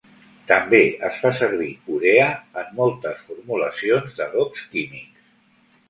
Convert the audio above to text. També es fa servir urea en moltes formulacions d'adobs químics.